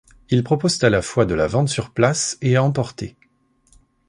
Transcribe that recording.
Ils proposent à la fois de la vente sur place et à emporter.